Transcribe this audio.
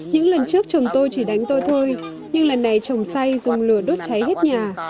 những lần trước chồng tôi chỉ đánh tôi thôi nhưng lần này trồng say dùng lửa đốt cháy hết nhà